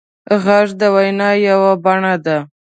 غږ د وینا یوه بڼه ده